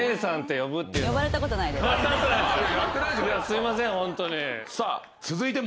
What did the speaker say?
すいませんホントに。